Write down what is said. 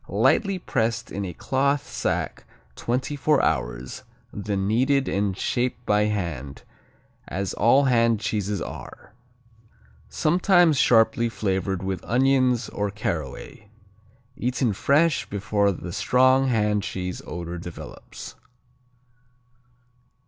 Lightly pressed in a cloth sack twenty four hours, then kneaded and shaped by hand, as all hand cheeses are. Sometimes sharply flavored with onions or caraway. Eaten fresh, before the strong hand cheese odor develops.